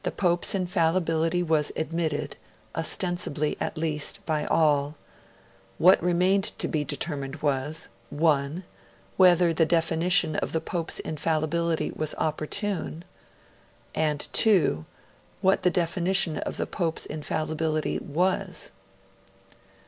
Pope's infallibility was admitted, ostensibly at least, by all; what remained to be determined was: (1) whether the definition of the Pope's Infallibility was opportune, and (2) what the definition of the Pope's Infallibility was.